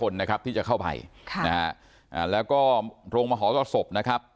ใช่ครับจะเข้าไปนะแล้วก็โรงมหากศพนะครับ